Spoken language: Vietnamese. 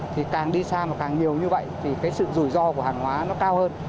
thì càng đi xa mà càng nhiều như vậy thì cái sự rủi ro của hàng hóa nó cao hơn